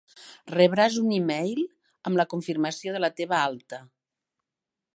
Rebràs un email amb la confirmació de la teva alta.